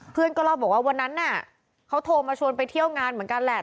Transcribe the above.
เพื่อนก็เล่าบอกว่าวันนั้นน่ะเขาโทรมาชวนไปเที่ยวงานเหมือนกันแหละ